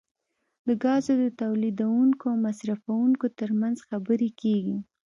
د ګازو د تولیدونکو او مصرفونکو ترمنځ خبرې کیږي